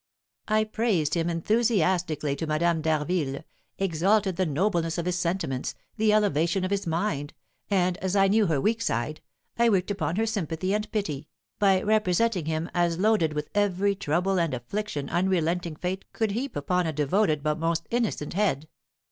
I praised him enthusiastically to Madame d'Harville, exalted the nobleness of his sentiments, the elevation of his mind, and, as I knew her weak side, I worked upon her sympathy and pity, by representing him as loaded with every trouble and affliction unrelenting fate could heap upon a devoted but most innocent head.